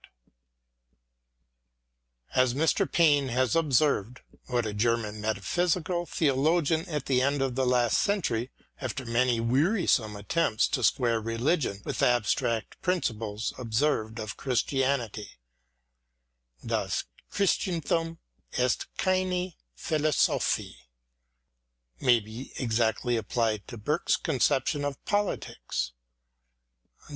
t As Mr. Payne has observed, what a German metaphysical theologian at the end of the last century, after many wearisome attempts to square religion with abstract principles, observed of Christianity, Das Christenthum ist keine Philo sophie, may be exactly applied to Burke's concep tion of politics.